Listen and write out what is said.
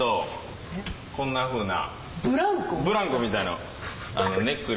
こんなふうな。